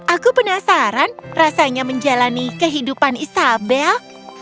aku penasaran rasanya menjalani kehidupan isabel